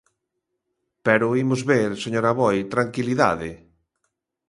Pero, imos ver, señor Aboi, tranquilidade.